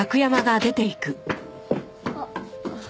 あっ。